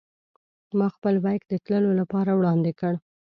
ما خپل بېک د تللو لپاره وړاندې کړ.